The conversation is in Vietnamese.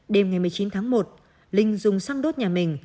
đêm ngày một mươi chín tháng một linh dùng xăng đốt nhà mình